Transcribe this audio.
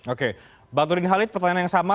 oke banturin halid pertanyaan yang sama